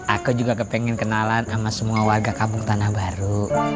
aku juga kepengen kenalan sama semua warga kampung tanah baru